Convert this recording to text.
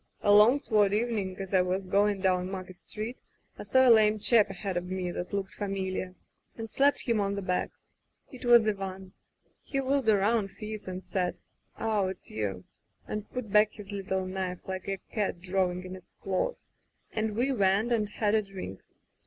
Along toward evening as I was going [ 219 ] Digitized by LjOOQ IC Interventions down Market Street I saw a lame chap ahead of me that looked familiar, and slapped him on the back. It was Ivan. He wheeled around, fierce, then said : *0h, it's you,' and put back his little knife, like a cat drawing in its claws, and we went and had a drink.